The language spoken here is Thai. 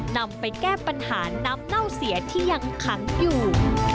นำไปแก้ปัญหาน้ำเน่าเสียที่ยังขังอยู่